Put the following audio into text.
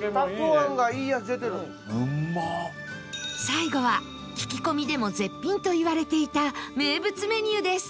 最後は聞き込みでも絶品と言われていた名物メニューです